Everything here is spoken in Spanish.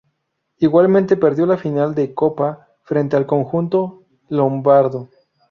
Igualmente, perdió la final de Copa frente al conjunto lombardo.